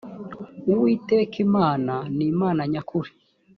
uwiteka imana nimana nyakuri.